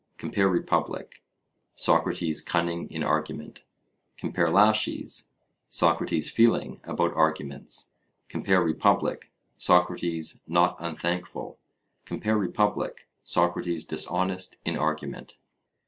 compare Republic (Socrates' cunning in argument): compare Laches (Socrates' feeling about arguments): compare Republic (Socrates not unthankful): compare Republic (Socrates dishonest in argument).